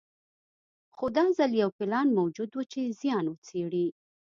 خو دا ځل یو پلان موجود و چې زیان وڅېړي.